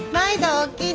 おおきに。